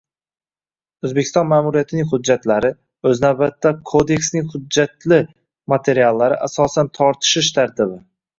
O'zbekiston Ma'muriyatining hujjatlari, o'z navbatida, Kodeksning hujjatli materiallari, asosan, tortishish tartibi